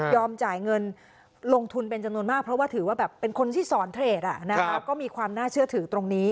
จ่ายเงินลงทุนเป็นจำนวนมากเพราะว่าถือว่าแบบเป็นคนที่สอนเทรดก็มีความน่าเชื่อถือตรงนี้